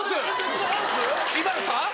ＩＭＡＬＵさん？